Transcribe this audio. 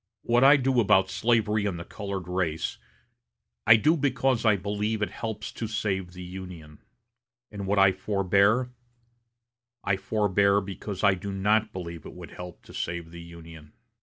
What I do about slavery and the colored race, I do because I believe it helps to save the Union; and what I forbear, I forbear because I do not believe it would help to save the Union.